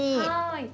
はい。